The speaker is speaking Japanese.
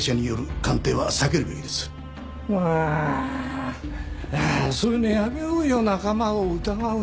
ああそういうのやめようよ仲間を疑うのは。